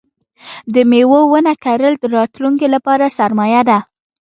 د مېوو ونه کرل د راتلونکي لپاره سرمایه ده.